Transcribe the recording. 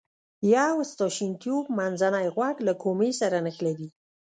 یو ستاشین تیوب منځنی غوږ له کومې سره نښلوي.